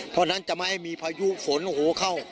เพราะฉะนั้นจะไม่ให้มีพายุขนโอ้โหเข้า